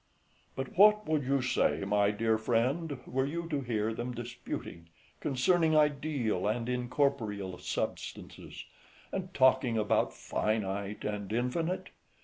But what would you say, my dear friend, were you to hear them disputing, concerning ideal and incorporeal substances, and talking about finite and infinite?